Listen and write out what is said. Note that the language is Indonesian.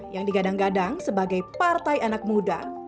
yang digadang gadang sebagai partai anak muda